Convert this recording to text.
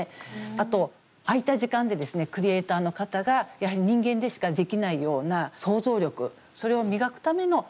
あと空いた時間でクリエーターの方がやはり人間でしかできないような創造力それを磨くための空いた時間を使う。